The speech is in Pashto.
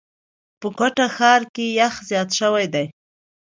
په کوټه ښار کي یخ زیات شوی دی.